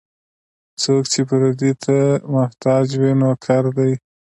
څوک چې پردي ته محتاج وي، نوکر دی.